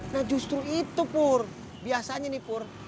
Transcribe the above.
nah justru itu pur biasanya nih pur